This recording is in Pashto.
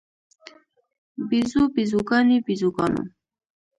بیزو، بیزوګانې، بیزوګانو